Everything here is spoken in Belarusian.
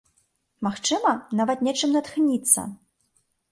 Магчыма, нават нечым натхніцца.